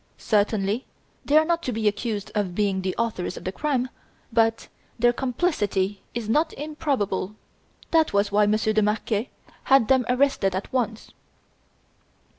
Certainly they are not to be accused of being the authors of the crime, but their complicity is not improbable. That was why Monsieur de Marquet had them arrested at once."